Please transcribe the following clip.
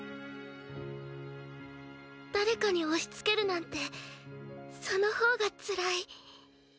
誰かに押しつけるなんてその方がつらい。